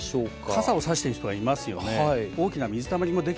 傘をさしてる人がいますよね。